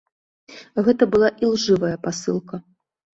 Гэта была ілжывая пасылка.